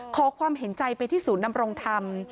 ขอความเห็นใจไปที่ศูนย์นำรงธรรม